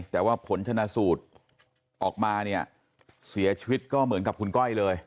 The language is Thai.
แต่ว่าผลชนะสูตรออกมาเนี่ยเสียชีวิตก็เหมือนกับคุณก้อยเลย